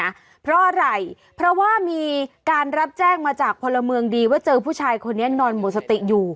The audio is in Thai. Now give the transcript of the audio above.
เพราะอะไรเพราะว่ามีการรับแจ้งมาจากพลเมืองดีว่าเจอผู้ชายคนนี้นอนหมดสติอยู่